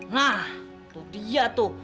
nah itu dia tuh